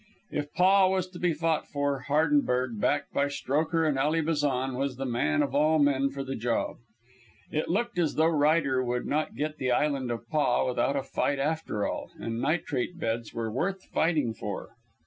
If Paa was to be fought for, Hardenberg, backed by Strokher and Ally Bazan, was the man of all men for the job, for it looked as though Ryder would not get the Island of Paa without a fight after all, and nitrate beds were worth fighting for.